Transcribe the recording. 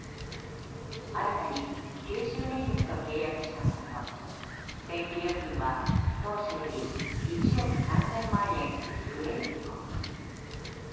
新たに九州電力と契約したものの電気料金は当初より１億３０００万円増える見込みに。